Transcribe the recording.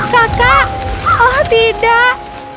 kakak oh tidak